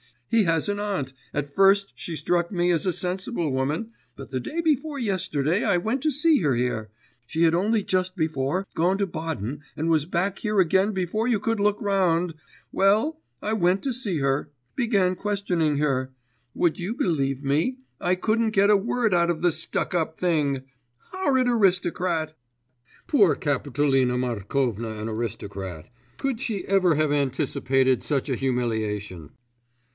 He has an aunt; at first she struck me as a sensible woman, but the day before yesterday I went to see her here she had only just before gone to Baden and was back here again before you could look round well, I went to see her; began questioning her.... Would you believe me, I couldn't get a word out of the stuck up thing. Horrid aristocrat!' Poor Kapitolina Markovna an aristocrat! Could she ever have anticipated such a humiliation?